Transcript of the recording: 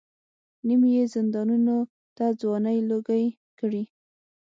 نیم یې زندانونو ته ځوانۍ لوګۍ کړې.